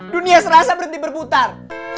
dunia serasa berhenti berputar